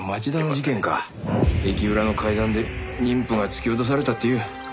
駅裏の階段で妊婦が突き落とされたっていう。